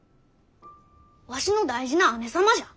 わしの大事な姉様じゃ。